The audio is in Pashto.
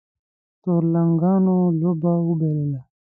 تورلېنګانو لوبه وبایلله